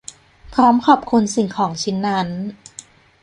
พร้อมขอบคุณสิ่งของชิ้นนั้น